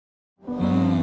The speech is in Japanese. うん。